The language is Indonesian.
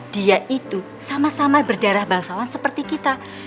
dia itu sama sama berdarah bangsawan seperti kita